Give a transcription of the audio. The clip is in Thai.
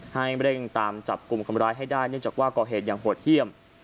ให้เร่งตามจับกลุ่มคนร้ายให้ได้เนื่องจากว่าก่อเหตุอย่างโหดเยี่ยม